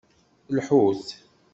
Lḥut.